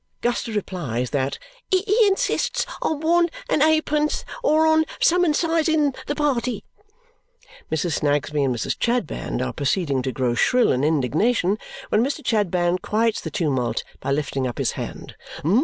Guster replied that "he insistes on one and eightpence or on summonsizzing the party." Mrs. Snagsby and Mrs. Chadband are proceeding to grow shrill in indignation when Mr. Chadband quiets the tumult by lifting up his hand.